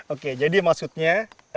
oke jadi maksudnya